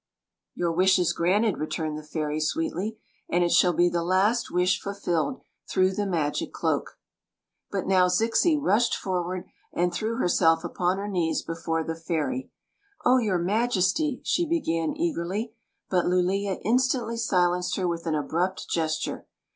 " Your wish is granted," returned the fairy, sw^y ;" and it shall be the last wish fiilfiUed through the magic doak." But now Zixi rushed forward and threw herself upon her knees before the fairy. "Oh, your Majesty—" she began eagerly; but Lulea instantly silenc^ her with an abrupt gesture.